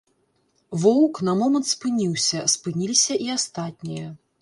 Воўк на момант спыніўся, спыніліся і астатнія.